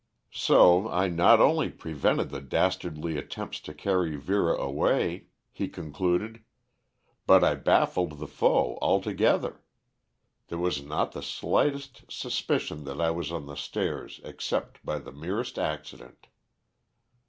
"So I not only prevented the dastardly attempt to carry Vera away," he concluded, "but I baffled the foe altogether. There was not the slightest suspicion that I was on the stairs except by the merest accident."